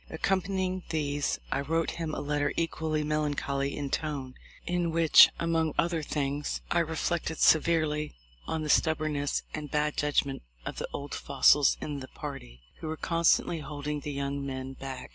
Accom panying these I wrote him a letter equally melan choly in tone, in which among other things I reflected severely on the stubbornness and bad judgment of the old fossils in the party, who were constantly holding the young men back.